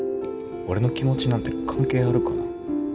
俺の気持ちなんて関係あるかな？